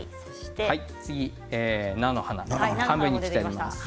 次菜の花を半分に切ってあります。